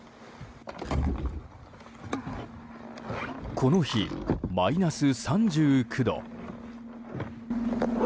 この日、マイナス３９度。